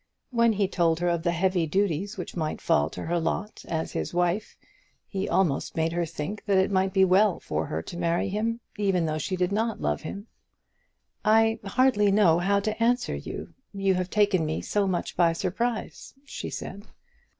When he told her of the heavy duties which might fall to her lot as his wife, he almost made her think that it might be well for her to marry him, even though she did not love him. "I hardly know how to answer you, you have taken me so much by surprise," she said.